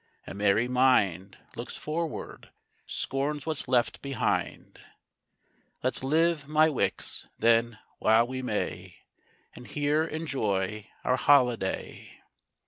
A merry mind Looks forward, scorns what's left behind; Let's live, my Wickes, then, while we may, And here enjoy our holiday.